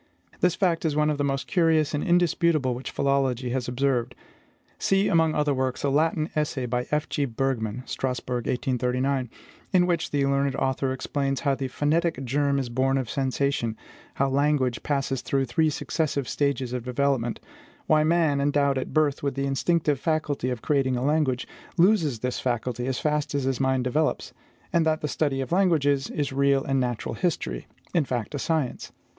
This fact is one of the most curious and indisputable which philology has observed. See, among other works, a Latin essay by F. G. Bergmann (Strasbourg, 1839), in which the learned author explains how the phonetic germ is born of sensation; how language passes through three successive stages of development; why man, endowed at birth with the instinctive faculty of creating a language, loses this faculty as fast as his mind develops; and that the study of languages is real natural history, in fact, a science.